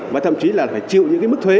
và thậm chí là phải chịu những cái mức thuế